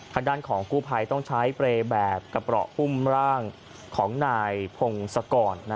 ทางด้านของกู้ภัยต้องใช้เปรย์แบบกระเปราะอุ้มร่างของนายพงศกร